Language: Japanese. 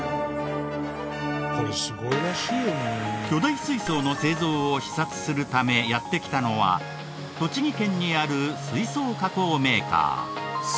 巨大水槽の製造を視察するためやって来たのは栃木県にある水槽加工メーカー。